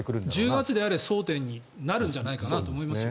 １０月であれ争点になるんじゃないかなと思いますよ。